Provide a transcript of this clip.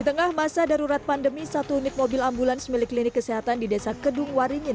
di tengah masa darurat pandemi satu unit mobil ambulans milik klinik kesehatan di desa kedung waringin